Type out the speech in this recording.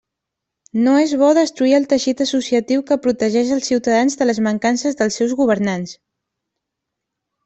No és bo destruir el teixit associatiu que protegeix els ciutadans de les mancances dels seus governants.